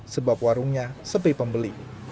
sebab warungnya sepi pembeli